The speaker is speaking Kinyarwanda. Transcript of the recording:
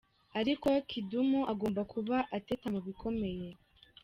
Ariko Kidum agomba kuba ateta mu bikomeye.